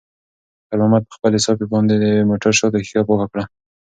خیر محمد په خپلې صافې باندې د موټر شاته ښیښه پاکه کړه.